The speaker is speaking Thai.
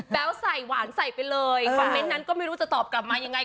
ใส่หวานใส่ไปเลยคอมเมนต์นั้นก็ไม่รู้จะตอบกลับมายังไง